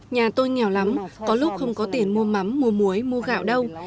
nhà tôi nghèo lắm có lúc không có tiền mua mắm mua muối mua gạo đâu